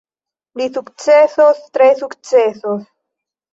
Li sukcesos, tre sukcesos.